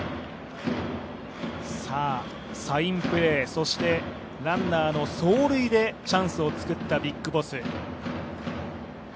サインプレー、そしてランナーの走塁でチャンスを作ったＢＩＧＢＯＳＳ。